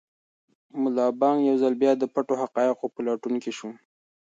ملا بانګ یو ځل بیا د پټو حقایقو په لټون کې شو.